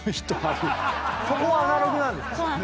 そこはアナログなんですね。